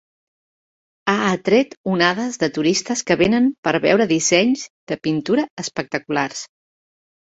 Ha atret onades de turistes que venen per veure dissenys de pintura espectaculars.